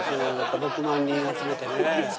６万人集めてね。